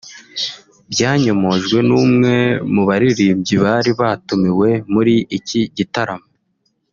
byanyomojwe n’umwe mu baririmbyi bari batumiwe muri iki gitaramo